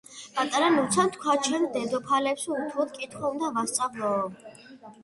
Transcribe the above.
პატარა ნუცამ თქვაჩემს დედოფალებს უთუოდ კითხვა უნდა ვასწავლოო.